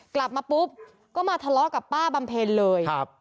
กลับมาปุ๊บก็มาทะเลาะกับป้าบำเพ็ญเลยครับ